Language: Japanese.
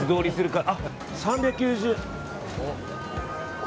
３９０円。